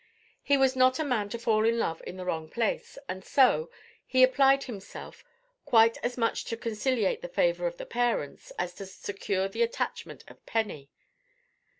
He was not a man to fall in love in the wrong place; and so, he applied himself quite as much to conciliate the favour of the parents, as to secure the attachment of Penny.